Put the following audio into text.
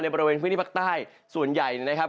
บริเวณพื้นที่ภาคใต้ส่วนใหญ่นะครับ